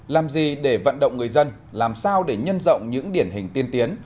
làm gì để vận động người dân làm sao để nhân rộng những điển hình tiên tiến